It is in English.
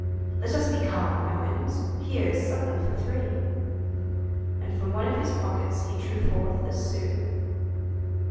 "Let us be calm, young 'uns. Here's supper for three." And from one of his pockets he drew forth a sou.